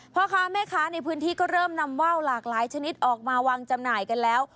พ่อค้าแม่ค้าในพื้นที่ก็เริ่มนำว่าวหลากหลายชนิดออกมาวางจำหน่ายกันแล้ว